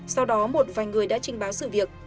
sau đó một vài người đã trình báo sự việc